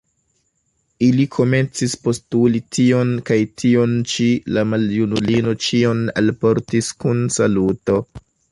Ili komencis postuli tion kaj tion ĉi; la maljunulino ĉion alportis kun saluto.